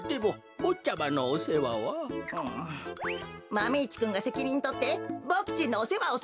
マメ１くんがせきにんとってボクちんのおせわをするのです。